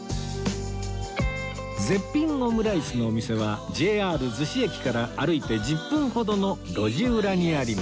絶品オムライスのお店は ＪＲ 逗子駅から歩いて１０分ほどの路地裏にあります